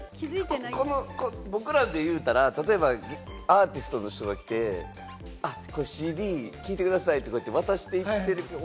僕らで言うたら、アーティストの人が来て、これＣＤ、聴いてくださいと言って渡していってる。